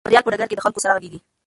خبریال په ډګر کې د خلکو سره غږیږي.